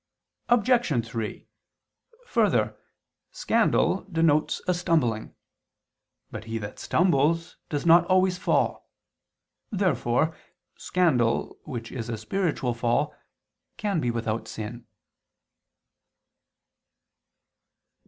Obj. 3: Further, scandal denotes a stumbling. But he that stumbles does not always fall. Therefore scandal, which is a spiritual fall, can be without sin.